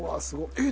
えっ！